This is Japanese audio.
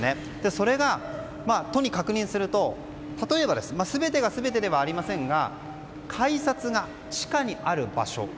それが都に確認すると例えば全てが全てではありませんが改札が地下にある場所。